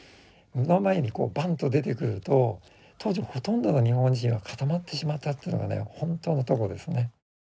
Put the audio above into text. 目の前にこうバンと出てくると当時ほとんどの日本人は固まってしまったというのがね本当のとこですね。